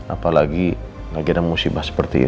apalagi lagi ada musibah seperti ini